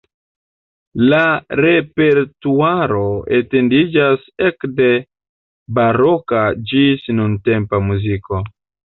La repertuaro etendiĝas ekde baroka ĝis nuntempa muziko.